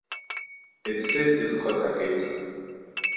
Its seat is Cotagaita.